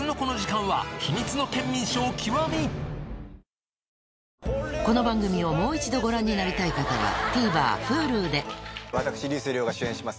最高の渇きにＤＲＹこの番組をもう一度ご覧になりたい方はＴＶｅｒＨｕｌｕで私竜星涼が主演します